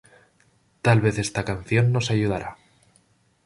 Tal vez esta canción nos ayudará.